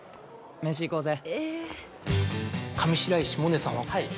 飯行こうぜ。